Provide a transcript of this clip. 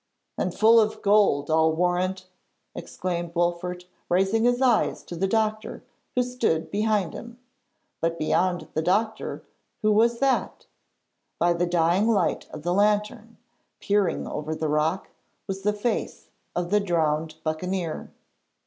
'And full of gold, I'll warrant,' exclaimed Wolfert, raising his eyes to the doctor, who stood behind him. But beyond the doctor who was that? By the dying light of the lantern, peering over the rock, was the face of the drowned buccaneer.